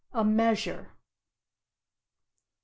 "A measure." 14.